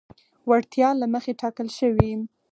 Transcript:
وړتیا له مخې ټاکل شوي.